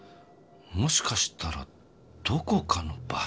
もしかしたらどこかの場所か。